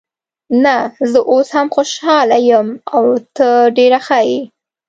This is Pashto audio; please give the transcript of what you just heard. نه، زه اوس هم خوشحاله یم او ته ډېره ښه یې.